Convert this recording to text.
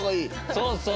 そうそう。